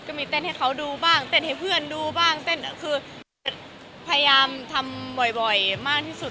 ก็มีเต้นให้เขาดูบ้างเต้นให้เพื่อนดูบ้างเต้นคือพยายามทำบ่อยมากที่สุด